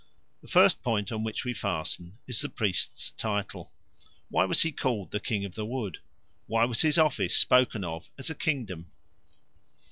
The first point on which we fasten is the priest's title. Why was he called the King of the Wood? Why was his office spoken of as a kingdom?